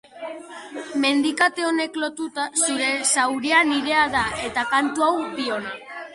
Mendikate honek lotuta, zure zauria nirea da eta kantu hau biona.